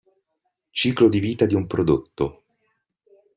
Ciclo di vita di un prodotto.